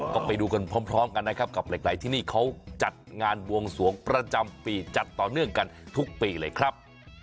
ก็ไปดูกันพร้อมกันนะครับกับเหล็กไหลที่นี่เขาจัดงานบวงสวงประจำปีจัดต่อเนื่องกันทุกปีเลยครับ